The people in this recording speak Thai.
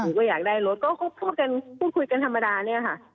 หนูก็อยากได้รถก็พูดคุยกันธรรมดาเนี่ยค่ะ